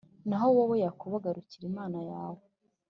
Naho wowe, Yakobo, garukira Imana yawe,